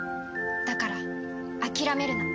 だから諦めるな」。